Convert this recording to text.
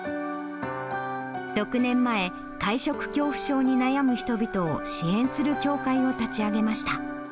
６年前、会食恐怖症に悩む人々を支援する協会を立ち上げました。